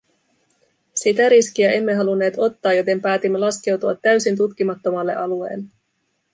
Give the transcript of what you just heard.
Sitä riskiä emme halunneet ottaa, joten päätimme laskeutua täysin tutkimattomalle alueelle.